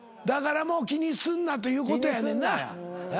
だからもう気にすんなということやねんな。